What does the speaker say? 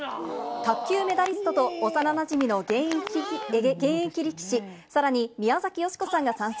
卓球メダリストと、幼なじみの現役力士、さらに、宮崎美子さんが参戦。